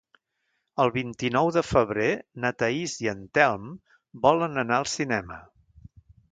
El vint-i-nou de febrer na Thaís i en Telm volen anar al cinema.